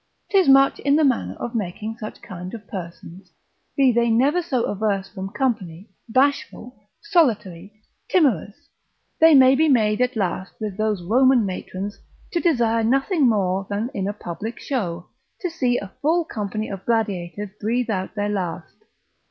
'Tis much in the manner of making such kind of persons, be they never so averse from company, bashful, solitary, timorous, they may be made at last with those Roman matrons, to desire nothing more than in a public show, to see a full company of gladiators breathe out their last.